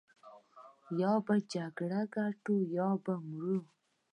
يا به جګړه ګټو يا به مرو.